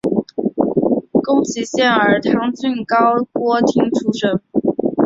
宫崎县儿汤郡高锅町出身。